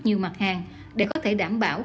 nhiều mặt hàng để có thể đảm bảo